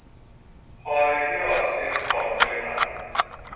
پارگی آستین پالتوی من